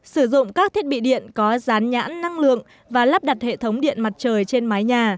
sử dụng các thiết bị điện có rán nhãn năng lượng và lắp đặt hệ thống điện mặt trời trên mái nhà